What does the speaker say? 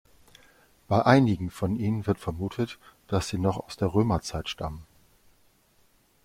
Bei einigen von ihnen wird vermutet, dass sie noch aus der Römerzeit stammen.